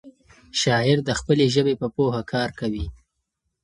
شاعر د خپلې ژبې په پوهه کار کوي.